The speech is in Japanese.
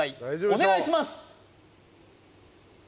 お願いします